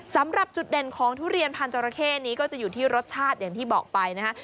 สำหรับจุดเด่นของทุเรียนพันธราเข้นี้ก็จะอยู่ที่รสชาติอย่างที่บอกไปนะฮะ